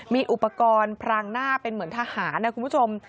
มีอุปกรณ์พรางหน้าเป็นเหมือนทหารนะคุณผู้ชม